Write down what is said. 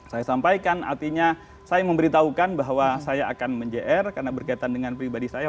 saya sampaikan artinya saya memberitahukan bahwa saya akan menjer karena berkaitan dengan pribadi saya